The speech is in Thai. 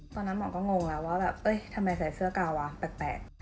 ตอนนั้นหมอก็งงแล้วว่าแบบเอ้ยทำไมใส่เสื้อกาวะแปลก